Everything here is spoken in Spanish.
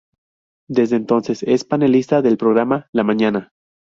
Desde entonces es panelista del programa "La mañana".